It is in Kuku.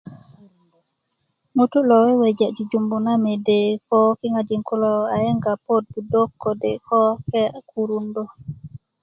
ŋutu' lo weweja jujumbu na mede ko kiŋajin kulo a yenga puwök wot 'budak kode' ko ke' kurundö